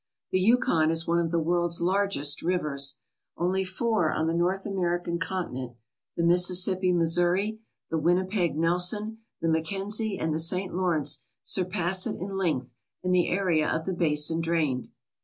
The Yukon is one of the world's largest rivers. Only four on the North American continent the Mississippi Missouri, the Win nipeg Nelson, the Mackenzie, and the St. Lawrence surpass it in length and the area of the basin drained.